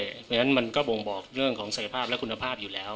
เพราะฉะนั้นมันก็บ่งบอกเรื่องของศักยภาพและคุณภาพอยู่แล้ว